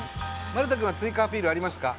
丸田くんは追加アピールありますか？